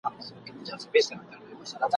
استاد به ددې قبر په اړه معلومات ورکړي وي.